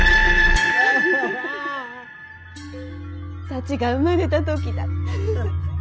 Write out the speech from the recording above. サチが生まれた時だ。